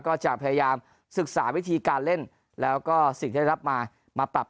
ก็จะพยายามศึกษาวิธีการเล่นแล้วก็สิ่งที่ได้รับมามาปรับ